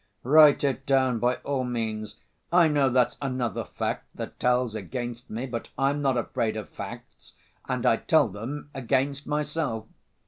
"Write it down, by all means. I know that's another fact that tells against me, but I'm not afraid of facts and I tell them against myself.